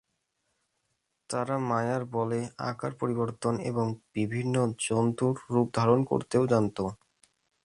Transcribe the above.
তারা মায়ার বলে আকার পরিবর্তন এবং বিভিন্ন জন্তুর রূপ ধারণ করতেও জানত।